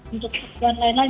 untuk keperluan lain lain